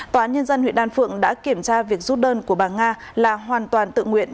tòa án nhân dân huyện đan phượng đã kiểm tra việc rút đơn của bà nga là hoàn toàn tự nguyện